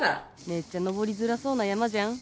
めっちゃ登りづらそうな山じゃん？